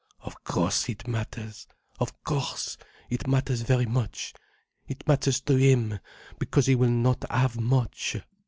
"Of course it matters. Of course it matters very much. It matters to him. Because he will not have much.